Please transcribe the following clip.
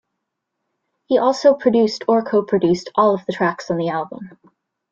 He also produced or co-produced all of the tracks on the album.